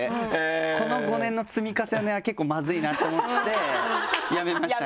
この５年の積み重ねは結構まずいなって思ってやめましたね。